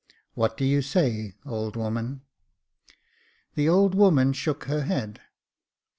What do you say, old woman ?" The old woman shook her head.